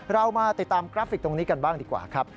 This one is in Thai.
เรามาติดตามกราฟิกตรงนี้กันบ้างดีกว่าครับ